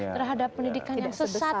terhadap pendidikan yang sesat